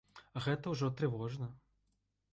А гэта ўжо трывожна.